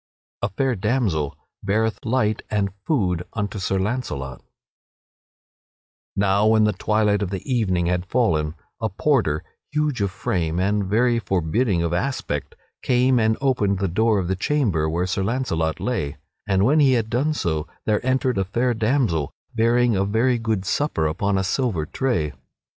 [Sidenote: A fair damsel beareth light and food unto Sir Launcelot] Now when the twilight of the evening had fallen, a porter, huge of frame and very forbidding of aspect, came and opened the door of the chamber where Sir Launcelot lay, and when he had done so there entered a fair damsel, bearing a very good supper upon a silver tray.